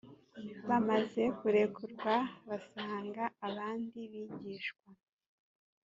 bamaze kurekurwa basanga abandi bigishwa .